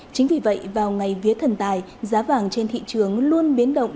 chính vì vậy vào ngày vía thần tài giá vàng trên thị trường luôn biến động